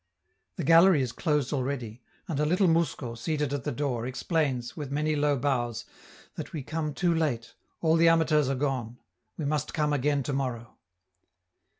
The gallery is closed already, and a little mousko, seated at the door, explains, with many low bows, that we come too late, all the amateurs are gone; we must come again tomorrow.